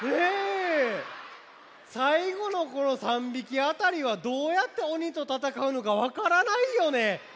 さいごのこの３びきあたりはどうやっておにとたたかうのかわからないよね。